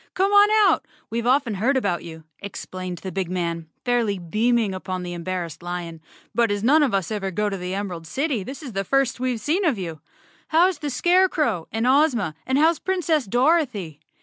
Come on out. We've often heard about you," explained the big man, fairly beaming upon the em¬ barrassed lion, "but as none of us ever go to the Em¬ erald City this is the first we've seen of you. How is the Scarecrow and Ozma, and how's Princess Dorothy?